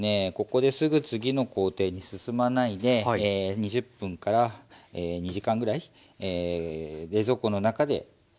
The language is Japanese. ここですぐ次の工程に進まないで２０分２時間ぐらい冷蔵庫の中で。